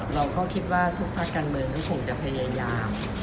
เราก็คิดว่าทุกภาคการเมืองก็คงจะพยายาม